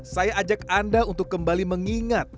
saya ajak anda untuk kembali mengingat